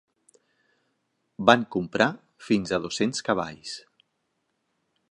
Van comprar fins a dos-cents cavalls.